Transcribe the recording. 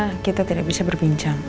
saya rasa kita tidak bisa berbincang